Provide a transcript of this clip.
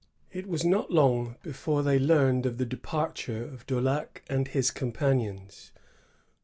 It was not long before they learned the departure of Daulac and his companions.